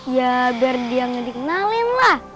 ya biar dia gak dikenalin lah